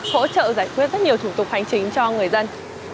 hỗ trợ giải quyết rất nhiều thủ tục hành chính cho người dân